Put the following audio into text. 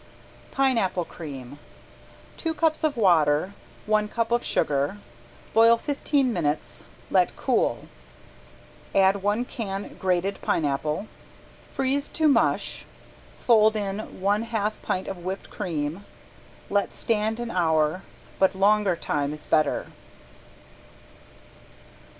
~PINEAPPLE CREAM~ Two cups of water, one cup of sugar, boil fifteen minutes, let cool, add one can grated pineapple. Freeze to mush, fold in one half pint of whipped cream, let stand an hour, but longer time is better.